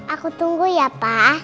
aku tunggu ya pa